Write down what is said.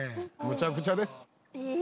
「むちゃくちゃです」